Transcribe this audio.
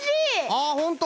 あほんと！